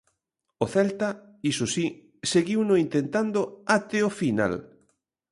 O Celta, iso si, seguiuno intentando até o final.